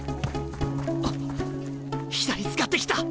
あっ左使ってきた！